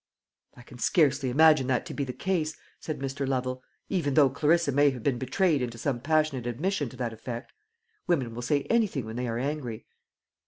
"I can scarcely imagine that to be the case," said Mr. Lovel, "even though Clarissa may have been betrayed into some passionate admission to that effect. Women will say anything when they are angry."